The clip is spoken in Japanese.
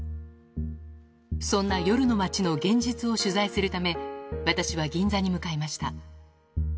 そんな夜の街の現実を取材するため、私は銀座に向かいました。